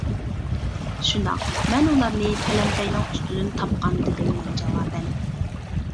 شۇنداق، مەن ئۇلارنى پەلەمپەينىڭ ئۈستىدىن تاپقان دېدىم مەن جاۋابەن.